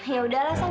ya udah lah san